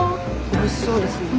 おいしそうですね。